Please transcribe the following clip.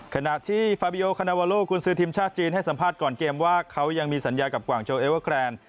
ขณะที่ฟาบิโอคานาวาโลกุลซื้อทีมชาติจีนให้สัมภาษณ์ก่อนเกมว่าเขายังมีสัญญากับกวางโจเอเวอร์แกรน